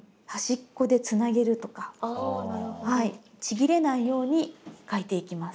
ちぎれないように描いていきます。